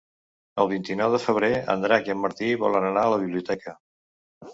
El vint-i-nou de febrer en Drac i en Martí volen anar a la biblioteca.